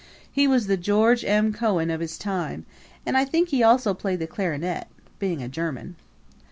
He was the George M. Cohan of his time; and I think he also played the clarinet, being a German.